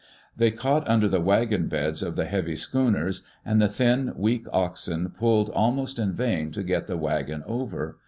They caught under the wagon beds of the heavy schooners, and the thin, weak oxen pulled almost in vain to get the wagon over.